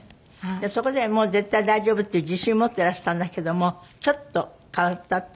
そこで絶対大丈夫っていう自信持ってらしたんだけどもちょっと変わったっていうか。